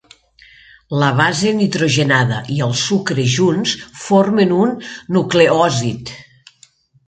La base nitrogenada i el sucre junts formen un nucleòsid.